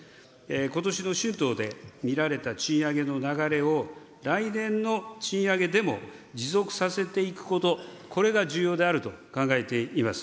ことしの春闘で見られた賃上げの流れを、来年の賃上げでも持続させていくこと、これが重要であると考えています。